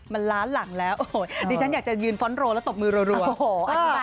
มันล้านหลังแล้วโอ้โหดิฉันอยากจะยืนฟ้อนโรแล้วตบมือรัว